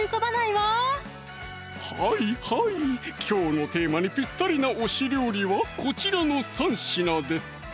はいきょうのテーマにぴったりな推し料理はこちらの３品です